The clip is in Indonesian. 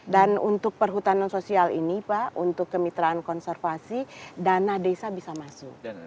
dan untuk perhutanan sosial ini pak untuk kemitraan konservasi dana desa bisa masuk